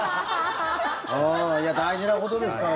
大事なことですから。